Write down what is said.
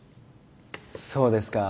そうですか。